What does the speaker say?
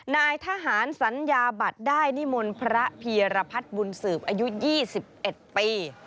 นายทหารสัญญาบัตรได้นิมนต์พระพีรพัฒน์บุญสืบอายุ๒๑ปี